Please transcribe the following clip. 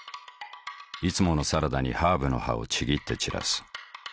いつものサラダにハーブの葉をちぎって散らす。